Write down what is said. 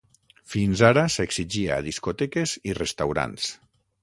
Fins ara, s’exigia a discoteques i restaurants.